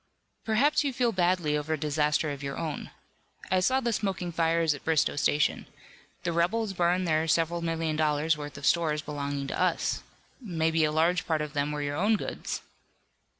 "Perhaps you feel badly over a disaster of your own. I saw the smoking fires at Bristoe Station. The rebels burned there several million dollars worth of stores belonging to us. Maybe a large part of them were your own goods."